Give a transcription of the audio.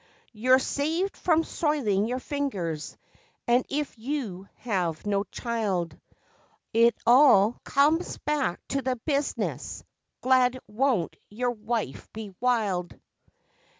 You're saved from soiling your fingers, and if you have no child, It all comes back to the business. Gad, won't your wife be wild!